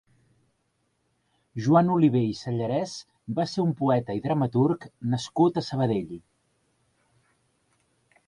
Joan Oliver i Sallarès va ser un poeta i dramaturg nascut a Sabadell.